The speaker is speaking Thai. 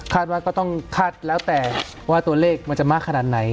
ว่าก็ต้องคาดแล้วแต่ว่าตัวเลขมันจะมากขนาดไหน